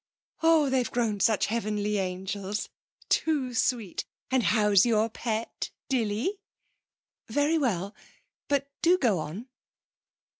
Oh, they've grown such heavenly angels too sweet! And how's your pet, Dilly?' 'Very well. But do go on.'